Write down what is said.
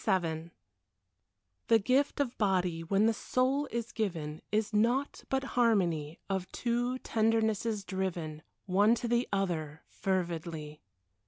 XXVII The gift of body, when the soul is given, Is naught but harmony Of two tendernesses driven One to the other, fervidly.